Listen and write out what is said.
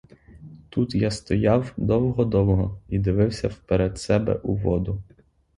Тут я стояв довго-довго і дивився вперед себе у воду.